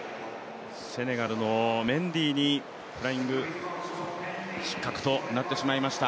セネガルのメンディーにフライング、失格となってしまいました。